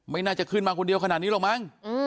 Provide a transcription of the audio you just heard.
ไม่น่าจะขึ้นมาคนเดียวขนาดนี้หรอกมั้ง